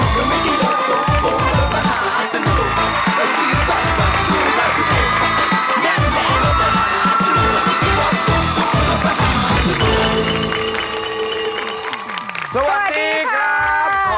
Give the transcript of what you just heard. สวัสดีครับสวัสดีครับ